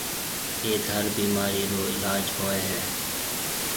ايٿ ھر بيمارِي رو علاج ھوئيَ ھيََََ